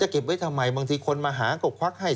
จะเก็บไว้ทำไมบางทีคนมาหากบควักให้๓๐๐๐๐๕๐๐๐๐